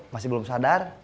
masih belum sadar